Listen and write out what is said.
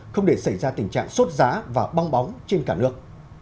không để xảy ra tình trạng sốt giá và bong bóng trên cả nước